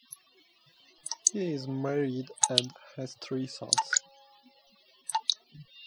He is married and has three sons.